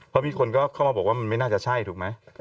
เพราะมีคนก็เข้ามาบอกว่ามันไม่น่าจะใช่ถูกไหม